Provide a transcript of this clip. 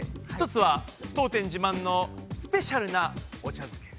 １つは当店自慢のスペシャルなお茶漬け。